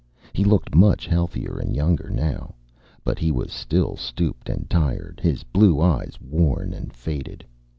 He looked much healthier and younger, now. But he was still stooped and tired, his blue eyes worn and faded.